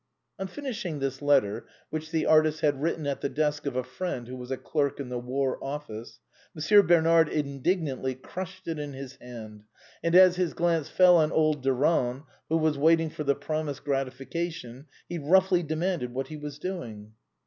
On finishing this letter, (which the artist had written at the desk of a friend who was a clerk in the War Office,) Monsieur Bernard indignantly crushed it in his Hand, and as his glance fell on old Durand, who was waiting for the promised gratification, he roughly demanded what he was doing.